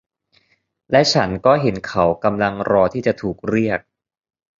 และฉันก็เห็นเขากำลังรอที่จะถูกเรียก